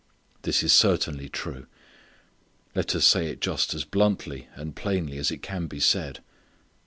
This is certainly true. Let us say it just as bluntly and plainly as it can be said.